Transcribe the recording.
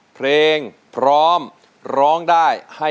กลับไปก่อนที่สุดท้าย